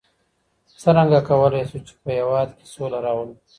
څرنګه کولای سو چي په هېواد کي سوله راولو؟